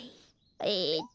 えっと